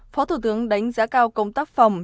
phó thủ tướng đánh giá cao công tác phòng